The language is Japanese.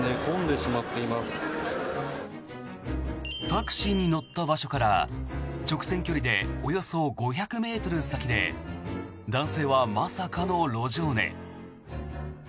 タクシーに乗った場所から直線距離でおよそ５００ｍ先で男性はまさかの路上寝。